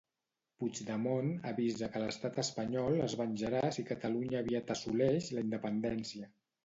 Puigdemont avisa que l'estat espanyol es venjarà si Catalunya aviat assoleix la independència.